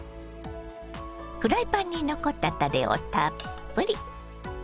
フライパンに残ったたれをたっぷり。